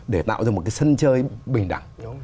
để tạo ra một cái sân chơi bình đẳng